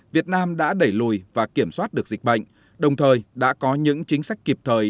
việt nam đã đẩy lùi và kiểm soát được dịch bệnh đồng thời đã có những chính sách kịp thời